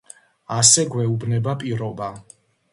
ასე გვეუბნება პირობა.